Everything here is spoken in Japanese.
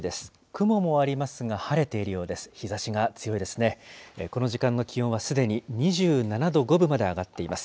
雲もありますが、晴れているようです。